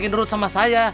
dia udah selesai